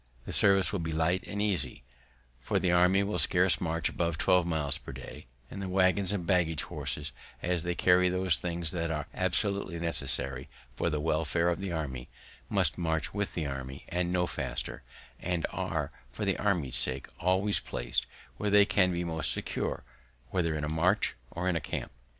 "The service will be light and easy, for the army will scarce march above twelve miles per day, and the waggons and baggage horses, as they carry those things that are absolutely necessary to the welfare of the army, must march with the army, and no faster; and are, for the army's sake, always placed where they can be most secure, whether in a march or in a camp.